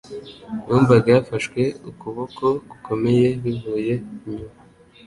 Yumvaga yafashwe ukuboko gukomeye bivuye inyuma.